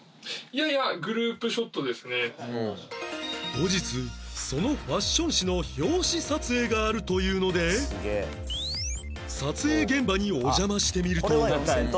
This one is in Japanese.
後日そのファッション誌の表紙撮影があるというので撮影現場にお邪魔してみると